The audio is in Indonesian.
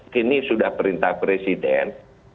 kini sudah perintah presiden